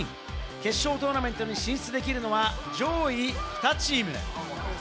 決勝トーナメントに進出できるのは上位２チーム。